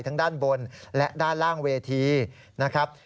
ด้านบนและด้านล่างเวทีนะครับ